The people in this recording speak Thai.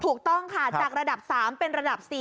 ถูกต้องค่ะจากระดับ๓เป็นระดับ๔